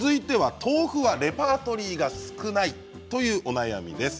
豆腐はレパートリーが少ないというお悩みです。